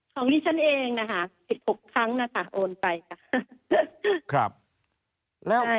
ของดิฉันเองนะคะ๑๖ครั้งนะคะโอนไปค่ะ